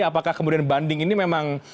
apakah kemudian banding ini memang